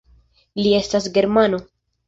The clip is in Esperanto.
Li estas germano.